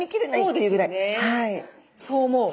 そう思う。